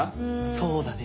そうだね。